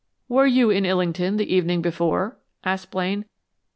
"Were you in Illington the evening before?" asked Blaine.